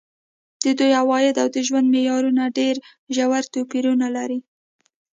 د دوی عواید او د ژوند معیارونه ډېر ژور توپیرونه لري.